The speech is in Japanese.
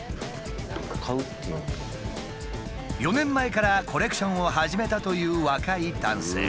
４年前からコレクションを始めたという若い男性。